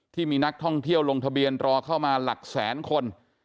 ที่มีนักท่องเที่ยวลงทะเบียนรอเข้ามาหลักแสนคน